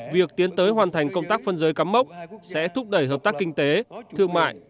việc tiến tới hoàn thành công tác phân giới cắm mốc sẽ thúc đẩy hợp tác kinh tế thương mại